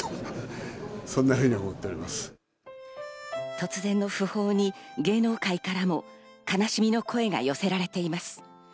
突然の訃報に芸能界からも悲しみの声が寄せられています。